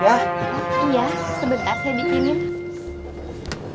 iya sebentar saya bikinnya